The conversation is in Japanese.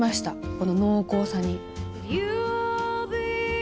この濃厚さに。